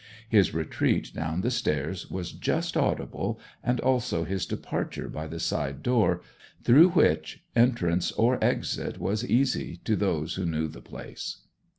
His retreat down the stairs was just audible, and also his departure by the side door, through which entrance or exit was easy to those who knew the place.